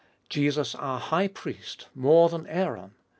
Jesus, our High Priest, more than Aaron (iv.